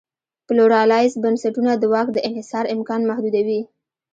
پلورالایز بنسټونه د واک دانحصار امکان محدودوي.